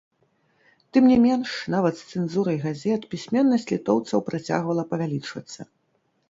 Тым не менш, нават з цэнзурай газет пісьменнасць літоўцаў працягвала павялічвацца.